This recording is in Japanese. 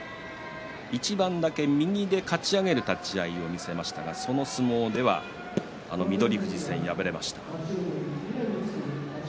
一番だけ右でかち上げる立ち合いを見せましたがその相撲では翠富士戦敗れました。